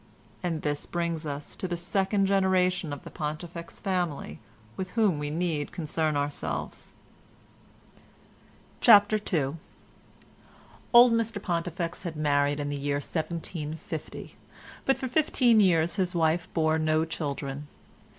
And this brings us to the second generation of the Pontifex family with whom we need concern ourselves. CHAPTER II Old Mr Pontifex had married in the year 1750, but for fifteen years his wife bore no children.